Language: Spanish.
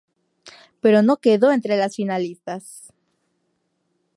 Pero no quedó entre las finalistas.